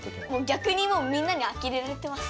ぎゃくにもうみんなにあきれられてます。